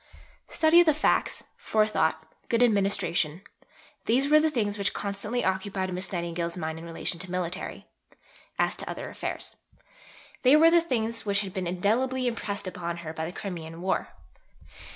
Study of the facts, forethought, good administration: these were the things which constantly occupied Miss Nightingale's mind in relation to military, as to other, affairs. They were the things which had been indelibly impressed upon her by the Crimean War.